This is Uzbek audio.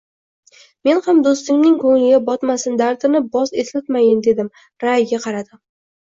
Men ham doʻstimning koʻngliga botmasin, dardini boz eslatmayin, dedim, raʼyiga qaradim.